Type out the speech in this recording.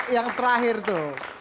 yang terakhir itu